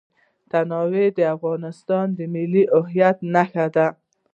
تنوع د افغانستان د ملي هویت نښه ده.